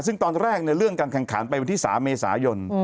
ซึ่งตอนแรกเรื่องการแข่งขันไปวันที่๓เมษายน